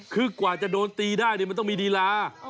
คือกว่าจะโดนตีได้มันต้องมีลีลา